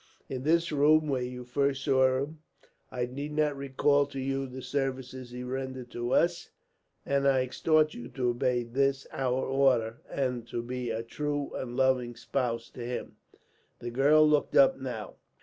In this room where you first saw him, I need not recall to you the services he rendered to us; and I exhort you to obey this our order, and to be a true and loving spouse to him." The girl looked up now.